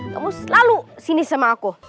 kamu selalu sinis sama aku